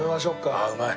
ああうまい。